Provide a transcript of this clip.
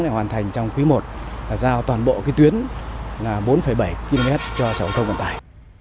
để hoàn thành trong quý i là giao toàn bộ tuyến bốn bảy km cho xã hội thông cân tải